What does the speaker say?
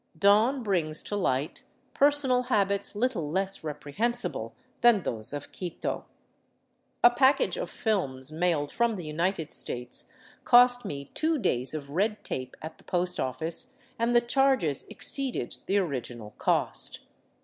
Dawn brings to light personal habits little less reprehensible than those of Quito. A package of films mailed from the LTnited States cost me two days of red tape at the post office, and the charges exceeded the original cost.